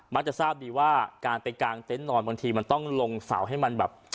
จะทราบดีว่าการไปกางเต็นต์นอนบางทีมันต้องลงเสาให้มันแบบ